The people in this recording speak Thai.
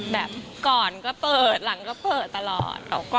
แบบก่อนก็เปิดหลังก็เปิดตลอด